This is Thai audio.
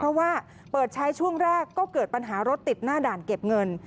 เพราะว่าเปิดใช้ช่วงแรกก็เกิดปัญหารถติดหน้าด่านเก็บเงิน